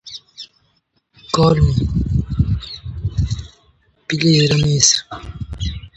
Hart-Davis was a close friend of Ransome, sharing an enthusiasm for cricket and rugby.